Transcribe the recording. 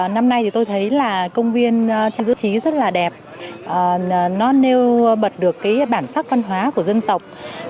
năm nay tôi thấy công viên trang trí rất đẹp nó nêu bật được bản sắc văn hóa của dân tộc